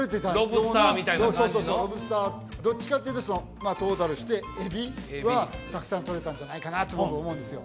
そうそうそうそうロブスターどっちかっていうとトータルしてエビはたくさんとれたんじゃないかなと僕思うんですよ